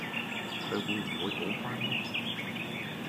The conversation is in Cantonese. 佢會唔會好番呢？